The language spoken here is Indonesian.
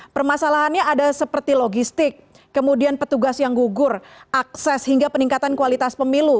permasalahannya ada seperti logistik kemudian petugas yang gugur akses hingga peningkatan kualitas pemilu